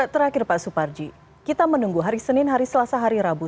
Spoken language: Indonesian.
terakhir pak suparji kita menunggu hari senin hari selasa hari rabu